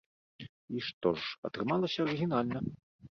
І што ж, атрымалася арыгінальна.